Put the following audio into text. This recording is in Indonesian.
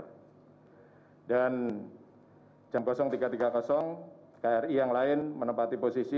kemudian jam tiga tiga kri yang lain menempati posisi